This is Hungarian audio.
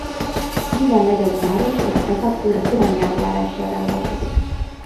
Minden nagyobb város és prefektúra külön nyelvjárással rendelkezik.